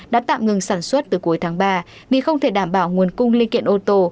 đã tạm ngừng sản xuất từ cuối tháng ba vì không thể đảm bảo nguồn cung linh kiện ô tô